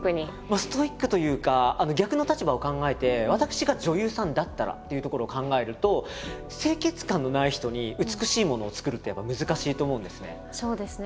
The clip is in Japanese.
ストイックというか逆の立場を考えて私が女優さんだったらっていうところを考えると清潔感のない人に美しいものを作るってやっぱ難しいと思うんですね。